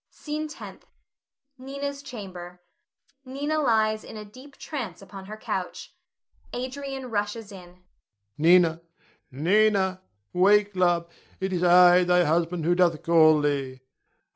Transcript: SCENE TENTH. [Nina's chamber. Nina lies in a deep trance upon her couch. Adrian rushes in.] Adrian. Nina! Nina! wake, love, it is I thy husband who doth call thee.